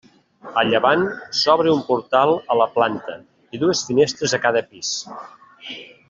A llevant s'obre un portal a la planta i dues finestres a cada pis.